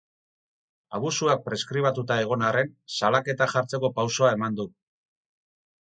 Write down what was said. Abusuak preskribatuta egon arren, salaketa jartzeko pausoa eman du.